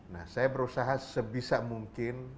nah saya berusaha sebisa mungkin